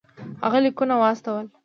هغه لیکونه واستول.